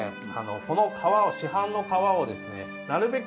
この皮を市販の皮をですねなるべく